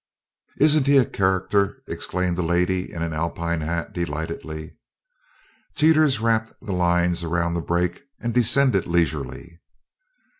"Isn't he a character!" exclaimed a lady in an Alpine hat, delightedly. Teeters wrapped the lines around the brake and descended leisurely.